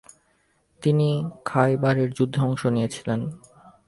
তিনি খায়বারের যুদ্ধেও অংশ নিয়েছেন।